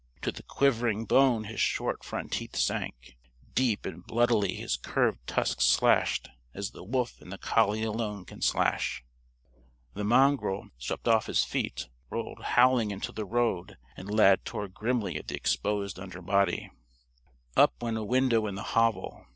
To the quivering bone his short front teeth sank. Deep and bloodily his curved tusks slashed as the wolf and the collie alone can slash. The mongrel, swept off his feet, rolled howling into the road; and Lad tore grimly at the exposed under body. Up went a window in the hovel.